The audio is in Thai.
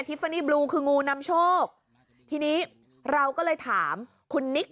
ฟานี่บลูคืองูนำโชคทีนี้เราก็เลยถามคุณนิก